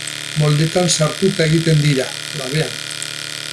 Moldetan sartuta egiten dira, labean.